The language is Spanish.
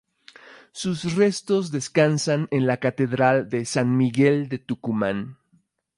Sus restos descansan en la Catedral de San Miguel de Tucumán.